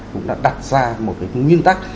cũng đã đặt ra một cái nguyên tắc